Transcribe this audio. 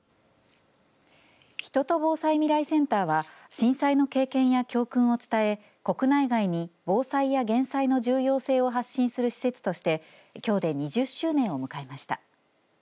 人と防災未来センターは震災の経験や教訓を伝え国内外に防災や減災の重要性を発信する施設としてきょうで２０周年を迎えました。